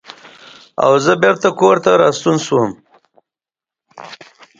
او زۀ بېرته کورته راستون شوم ـ